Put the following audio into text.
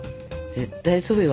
絶対そうよ